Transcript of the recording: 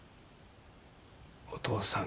お父さんん